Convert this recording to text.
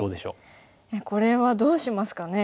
いやこれはどうしますかね。